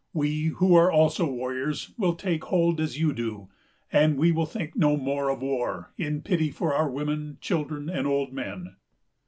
We, who are also warriors, will take hold as you do; and we will think no more of war, in pity for our women, children, and old men."